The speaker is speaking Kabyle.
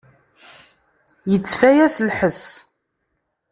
Yettfaya s lḥess.